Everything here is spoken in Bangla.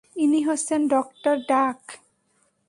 ইনি হচ্ছেন ডঃ ভাক।